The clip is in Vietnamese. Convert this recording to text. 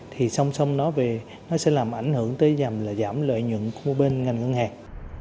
thì song song nó sẽ làm ảnh hưởng tới giảm lợi nhuận của bên ngành ngân hàng